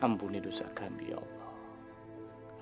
ampuni dosa kami ya allah